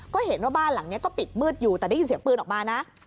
ก็เห็นว่าบ้านหลังนี้ก็ปิดมืดอยู่แต่ได้ยินเสียงปืนออกมานะ